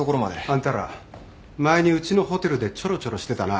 あんたら前にうちのホテルでちょろちょろしてたな。